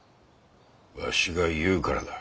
わしが言うからだ。